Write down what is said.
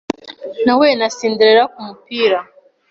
Nahuye na Cinderella kumupira